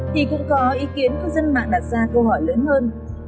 thì cũng có ý kiến cư dân mạng đặt ra câu hỏi lớn hơn